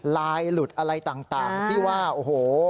ลายหลุดอะไรต่างที่ว่าโอ้โห